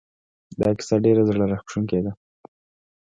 دا کیسه ډېره زړه راښکونکې ده